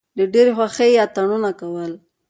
له ډېرې خوښۍ یې اتڼونه کول.